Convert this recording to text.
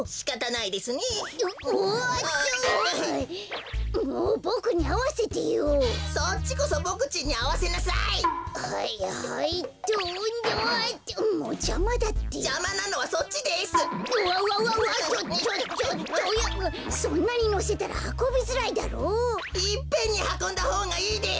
いっぺんにはこんだほうがいいです！